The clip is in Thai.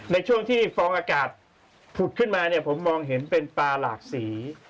ในช่วงที่ฟองอากาศผุดขึ้นมาเนี่ยผมมองเห็นเป็นปลาหลากสี